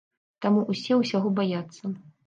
Таму ўсе ўсяго баяцца.